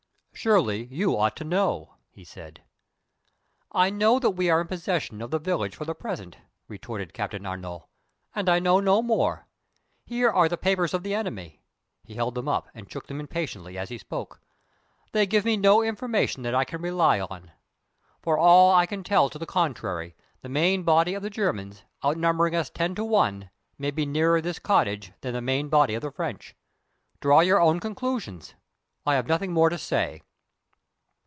"Surely you ought to know?" he said. "I know that we are in possession of the village for the present," retorted Captain Arnault, "and I know no more. Here are the papers of the enemy." He held them up and shook them impatiently as he spoke. "They give me no information that I can rely on. For all I can tell to the contrary, the main body of the Germans, outnumbering us ten to one, may be nearer this cottage than the main body of the French. Draw your own conclusions. I have nothing more to say."